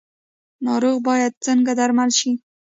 ناروغه باید څنګه درمل شي؟